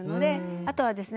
あとはですね